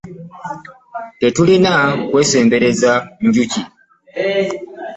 Tetulina kwesembereza njuki.